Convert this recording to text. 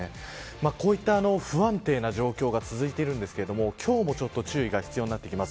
こういった不安定な状況が続いていますが今日も注意が必要です。